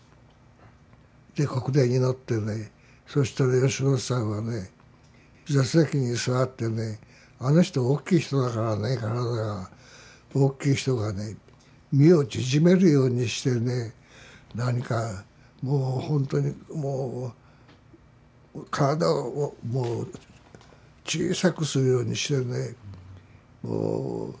で国電に乗ってねそしたら吉本さんはね座席に座ってねあの人おっきい人だからね体が大きい人がね身を縮めるようにしてね何かもうほんとにもう体をもう小さくするようにしてねもう座ってなさるの。